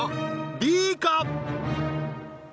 Ｂか？